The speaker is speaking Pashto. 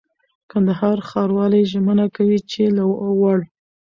کندهار ښاروالي ژمنه کوي چي له وړ